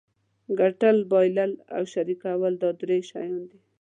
ګټل بایلل او شریکول دا درې شیان دي.